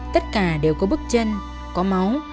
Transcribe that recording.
tất cả đều có bức chân có máu